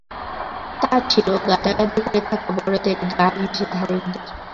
তা ছিল, গাদাগাদি করে থাকা বড়দের গা ঘেঁষে ধারের দিকে।